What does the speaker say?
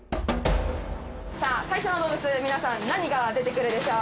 さあ最初の動物皆さん何が出てくるでしょう。